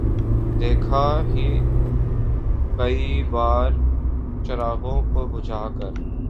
دیکھا ہے کئی بار چراغوں کو بجھا کر